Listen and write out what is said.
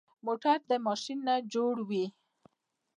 موټر د ماشین نه جوړ وي.